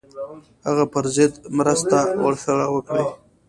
هغه پر ضد مرسته ورسره وکړي.